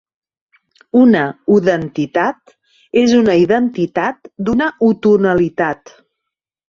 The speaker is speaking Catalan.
"Una 'udentitat' és una identitat d'una 'utonalitat'."